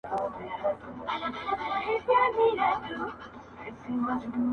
له هغې ویري مي خوب له سترګو تللی-